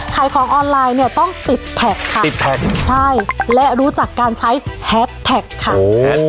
ขายของออนไลน์เนี่ยต้องติดแท็กค่ะติดแท็กใช่และรู้จักการใช้แฮสแท็กค่ะ